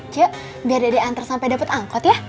yuk biar dede antar sampe dapet angkot ya